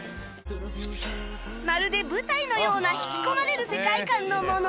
まるで舞台のような引き込まれる世界観のもの